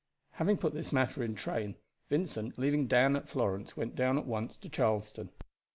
Having put this matter in train, Vincent, leaving Dan at Florence, went down at once to Charleston.